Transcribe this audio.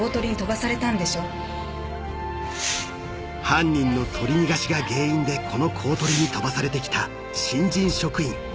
［犯人の取り逃がしが原因でこの公取に飛ばされてきた］